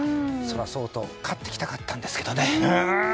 その前に勝ってきたかったんですけどね。